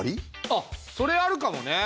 あっそれあるかもね。